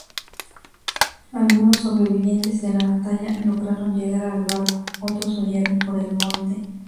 Algunos sobrevivientes de la batalla lograron llegar al barco, otros huyeron por el monte.